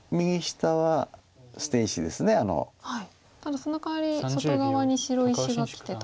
ただそのかわり外側に白石がきてと。